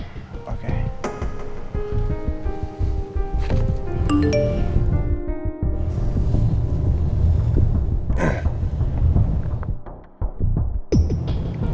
jalan mutiara kebun